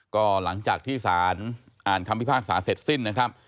ก็หลังจากที่สารอ่านคำพิพากษาเสร็จสิ้นนะครับ